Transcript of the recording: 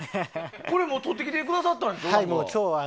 これ、とってきてくださったんですか？